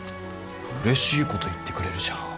うれしいこと言ってくれるじゃん。